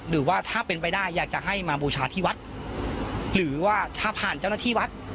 หรือว่าถ้าเป็นไปได้อยากจะให้มาบูชาที่วัดหรือว่าถ้าผ่านเจ้าหน้าที่วัด